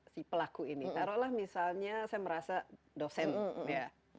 si pelaku ini taruhlah misalnya saya merasa dosen ya